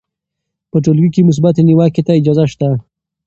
په ټولګي کې مثبتې نیوکې ته اجازه سته.